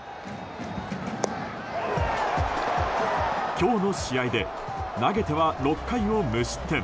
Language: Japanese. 今日の試合で投げては６回を無失点。